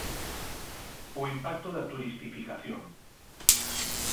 O impacto da turistificación.